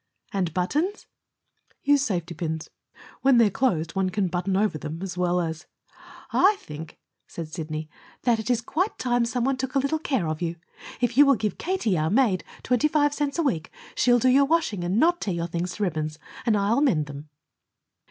"And buttons?" "Use safety pins. When they're closed one can button over them as well as " "I think," said Sidney, "that it is quite time some one took a little care of you. If you will give Katie, our maid, twenty five cents a week, she'll do your washing and not tear your things to ribbons. And I'll mend them."